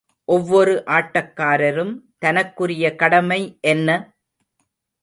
ஒவ்வொரு ஆட்டக்காரரும் தனக்குரிய கடமை என்ன?